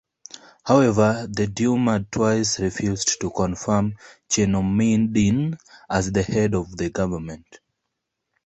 However, the Duma twice refused to confirm Chernomyrdin as the head of the government.